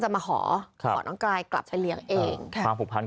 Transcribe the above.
จะมาหอครับหอน้องกายกลับไปเลี้ยงเองค่ะความผูกพันธ์